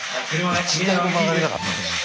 １台も曲がれなかったの？